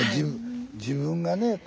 自分がね